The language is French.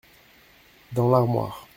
Dans l’armoire.